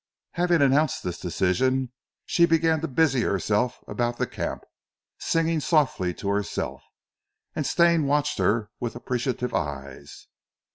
Having announced this decision she began to busy herself about the camp, singing softly to herself; and Stane watched her with appreciative eyes.